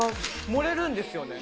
盛れるんですよね。